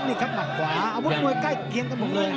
นี่ครับหมัดขวาอาวุธมวยใกล้เคียงกันหมดเลย